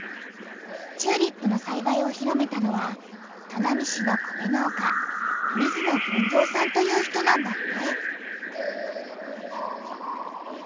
チューリップのさいばいを広めたのは砺波市の米農家水野豊造さんという人なんだって！